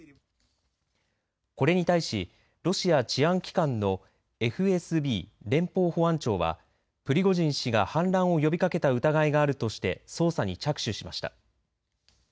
これに対しロシア治安機関のＦＳＢ＝連邦保安庁はプリゴジン氏が反乱を呼びかけた疑いがあるとして捜査に着手しました。